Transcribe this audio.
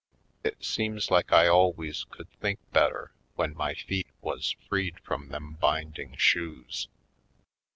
It seems like I always could think better when my feet was freed from them binding shoes.